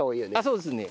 そうですね。